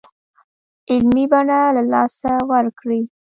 علمي بڼه له لاسه ورکړې.